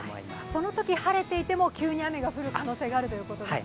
そのとき晴れていても急に雨が降る可能性があるということですね。